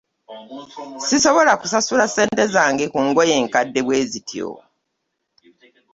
Sisobola kusasula ssente zange ku ngoye enkadde bwezityo.